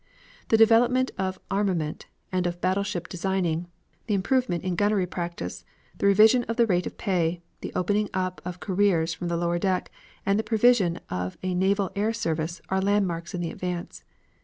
The development of armament, and of battleship designing, the improvement in gunnery practice, the revision of the rate of pay, the opening up of careers from the lower deck, and the provision of a naval air service are landmarks in the advance.